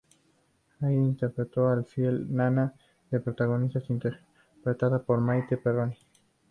Allí interpretó a la fiel nana de la protagonista interpretada por Maite Perroni.